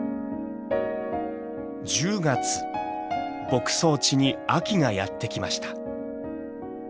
牧草地に秋がやって来ました。